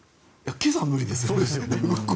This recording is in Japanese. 今朝は無理ですよ。